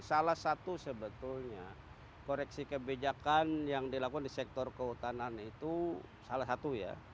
salah satu sebetulnya koreksi kebijakan yang dilakukan di sektor kehutanan itu salah satu ya